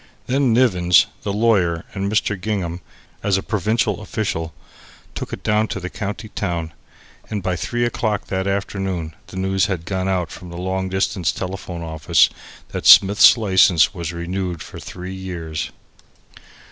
Then Nivens, the lawyer, and Mr. Gingham (as a provincial official) took it down to the county town, and by three o'clock that afternoon the news had gone out from the long distance telephone office that Smith's license was renewed for three years.